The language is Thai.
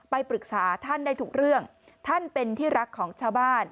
ไปปรึกษาท่านได้ทุกเรื่องท่านเป็นที่รักของชาวบ้าน